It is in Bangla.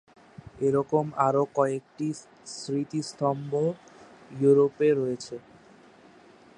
এরকম আরও কয়েকটি স্মৃতিস্তম্ভ ইউরোপে রয়েছে।